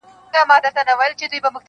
مګر رود بله چاره نه سي میندلای -